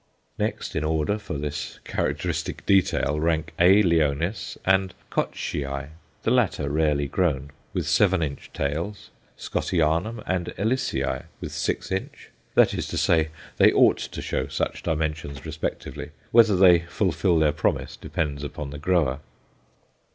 Next in order for this characteristic detail rank A. Leonis and Kotschyi the latter rarely grown with seven inch "tails;" Scottianum and Ellisii with six inch; that is to say, they ought to show such dimensions respectively. Whether they fulfil their promise depends upon the grower.